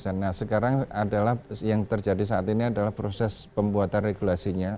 nah sekarang adalah yang terjadi saat ini adalah proses pembuatan regulasinya